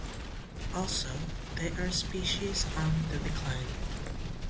Also, they are a species on the decline.